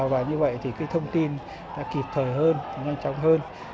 và như vậy thì cái thông tin đã kịp thời hơn nhanh chóng hơn